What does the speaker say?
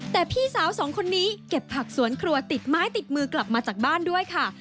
แต่พี่สาวสองคนนี้เก็บผักสวนครัวติดไม้ติดมือกลับมาจากบ้านด้วยค่ะ